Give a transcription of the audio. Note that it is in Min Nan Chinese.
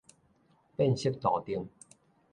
變色杜定